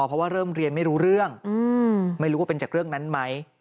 เพราะว่าเริ่มเรียนไม่รู้เรื่องไม่รู้ว่าเป็นจากเรื่องนั้นไหม